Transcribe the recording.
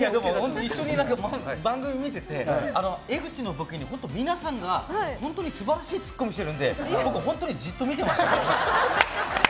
一緒に番組見てて江口のボケに、皆さんが本当に素晴らしいツッコミしてるので僕、本当にじっと見てましたよ。